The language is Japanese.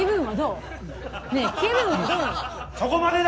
・そこまでだ